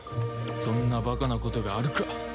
そんなバカなことがあるか！